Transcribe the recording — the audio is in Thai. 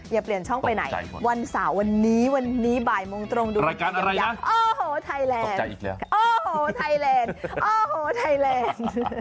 อย่าเปลี่ยนช่องไปไหนวันเสาร์วันนี้วันนี้บ่ายโมงตรงดูรายการกันยังโอ้โหไทยแลนด์โอ้โหไทยแลนด์โอ้โหไทยแลนด์